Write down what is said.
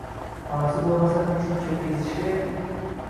Onasi bo'lmasa, shuncha ezish kerakmi?